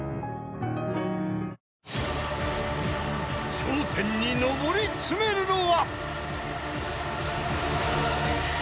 ［頂点に上り詰めるのは］